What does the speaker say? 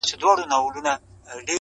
په يوه مېلمانه شمې، په يوه لنگواله زړې.